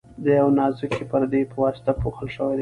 د یوې نازکې پردې په واسطه پوښل شوي دي.